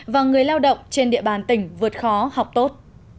và người lao động trên địa bàn tỉnh vượt khó học tốt